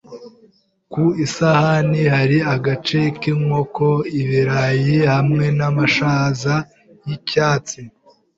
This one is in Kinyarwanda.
Ku isahani hari agace k'inkoko, ibirayi hamwe n'amashaza y'icyatsi.